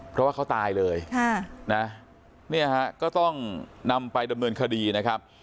เพราะว่าเขาตายเลยนะเนี่ยฮะก็ต้องนำไปดำเนินคดีนะครับ